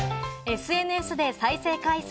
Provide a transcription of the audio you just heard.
ＳＮＳで再生回数